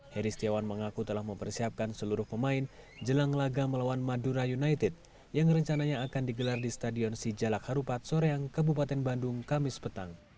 heri setiawan mengaku telah mempersiapkan seluruh pemain jelang laga melawan madura united yang rencananya akan digelar di stadion sijalak harupat soreang kabupaten bandung kamis petang